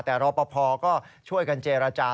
แต่รอปภก็ช่วยกันเจรจา